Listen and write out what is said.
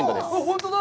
本当だ。